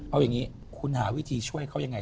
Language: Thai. เอาอย่างนี้คุณหาวิธีช่วยเขายังไง